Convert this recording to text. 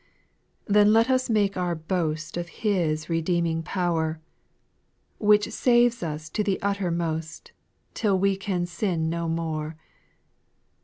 5. Then let us make our boast Of His redeeming power, Which saves us to the uttermost, Till we can sin no more.